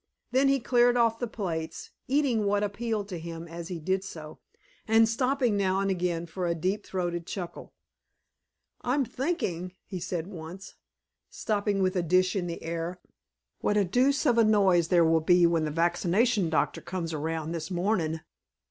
Then he cleared off the plates, eating what appealed to him as he did so, and stopping now and again for a deep throated chuckle. "I'm thinkin'," he said once, stopping with a dish in the air, "what a deuce of a noise there will be when the vaccination doctor comes around this mornin'.